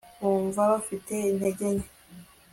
bumva bafite intege nke